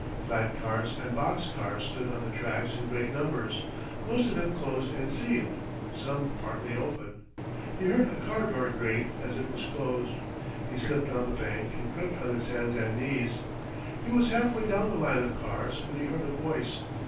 Flat cars and box cars stood on the tracks in great numbers, most of them closed and sealed some partly open. He heard a car door grate as it was closed. He slipped down the bank and crept on his hands and knees. He was halfway down the line of cars when he heard a voice.